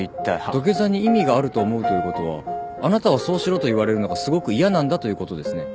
土下座に意味があると思うということはあなたはそうしろと言われるのがすごく嫌なんだということですね。